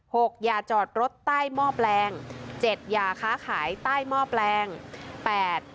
อย่าจอดรถใต้หม้อแปลงเจ็ดอย่าค้าขายใต้หม้อแปลงแปด